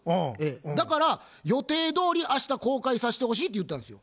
だから予定どおり明日公開させてほしい」って言ったんですよ。